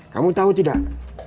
kamu tahu tidak